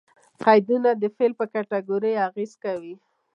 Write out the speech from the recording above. قیدونه د فعل پر کېټګوري اغېز کوي.